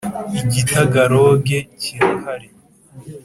Igitagaloge kirahari.